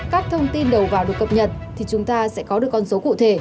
các thông tin đầu vào được cập nhật thì chúng ta sẽ có được con số cụ thể